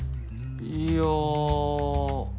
いや。